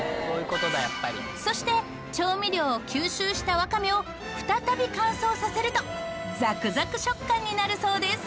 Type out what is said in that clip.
そして調味料を吸収したわかめを再び乾燥させるとザクザク食感になるそうです。